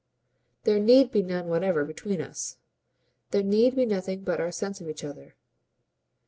"There NEED be none whatever between us. There need be nothing but our sense of each other."